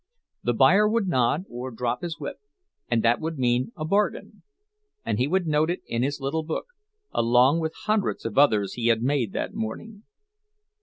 The buyer would nod or drop his whip, and that would mean a bargain; and he would note it in his little book, along with hundreds of others he had made that morning.